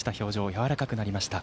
やわらかくなりました。